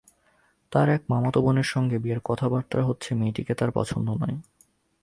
তার এক মামাতো বোনের সঙ্গে বিয়ের কথাবার্তা হচ্ছে মেয়েটিকে তার পছন্দ নয়।